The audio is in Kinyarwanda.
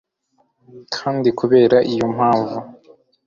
kandi kubera iyo mpamvu